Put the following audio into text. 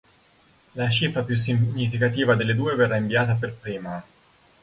La cifra più significativa delle due verrà inviata per prima.